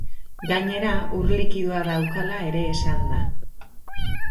Gainera, ur likidoa daukala ere esan da.